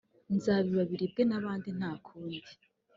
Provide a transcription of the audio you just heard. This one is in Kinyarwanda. nzabiba biribwe nabandi ntakundi.